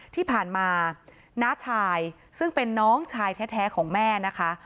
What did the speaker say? ที่ผ่านมาน้าชายซึ่งเป็นน้องชายแท้ของแม่นะคะ